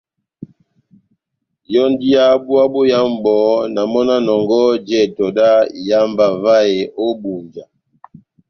Yɔ́ndi yá búwa boyamu bɔhɔ́, na mɔ́ na nɔngɔhɔ jɛtɛ dá ihámba vahe ó Ebunja.